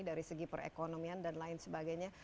dari segi perekonomian dan lain sebagainya